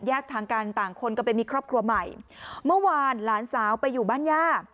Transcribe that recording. ทางการต่างคนก็ไปมีครอบครัวใหม่เมื่อวานหลานสาวไปอยู่บ้านย่า